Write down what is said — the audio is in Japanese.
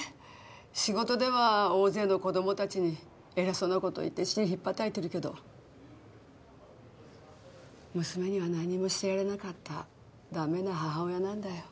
仕事では大勢の子供達に偉そうなこと言って尻ひっぱたいてるけど娘には何もしてやれなかったダメな母親なんだよ